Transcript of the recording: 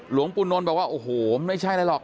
หลวงปู่นนท์บอกว่าโอ้โหไม่ใช่อะไรหรอก